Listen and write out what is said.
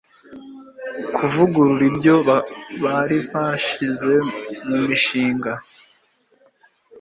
Kuvugurura ibyo bari bashyize mu mishinga